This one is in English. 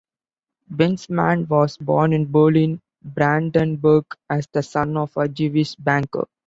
Bensemann was born in Berlin, Brandenburg, as the son of a Jewish banker.